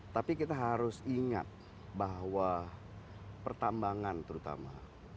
tapi kita harus ingat bahwa pertambangan terutama